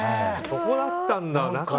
そこだったんだ。